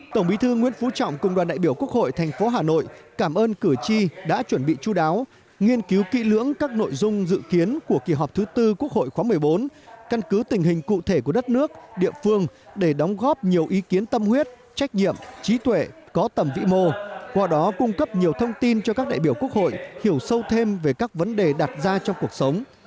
tổng bí thư nguyễn phú trọng cùng đoàn đại biểu quốc hội thành phố hà nội cảm ơn cử tri đã chuẩn bị chú đáo nghiên cứu kỹ lưỡng các nội dung dự kiến của kỳ họp thứ tư quốc hội khóa một mươi bốn căn cứ tình hình cụ thể của đất nước địa phương để đóng góp nhiều ý kiến tâm huyết trách nhiệm trí tuệ có tầm vĩ mô qua đó cung cấp nhiều thông tin cho các đại biểu quốc hội hiểu sâu thêm về các vấn đề đặt ra trong cuộc sống